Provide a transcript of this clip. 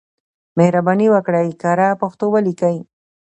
مهرباني وکړئ کره پښتو ولیکئ.